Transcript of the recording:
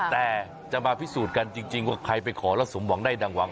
แต่จะมาพิสูจน์กันจริงว่าใครไปขอแล้วสมหวังได้ดังหวัง